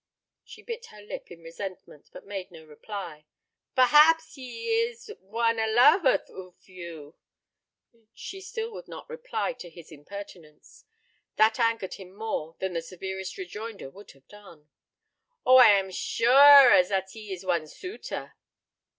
She bit her lip in resentment, but made no reply. "Pare haps he is one a lover oof you?" Still she would not reply to his impertinence. That angered him more than the severest rejoinder would have done. "Oh, I am sure a zat he ees one suitor."